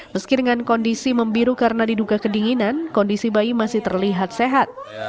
meski dengan kondisi membiru karena diduga kedinginan kondisi bayi masih terlihat sehat